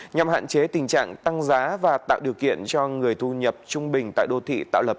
nhằm hạn chế tình trạng tăng giá và tạo điều kiện cho người thu nhập trung bình tại đô thị tạo lập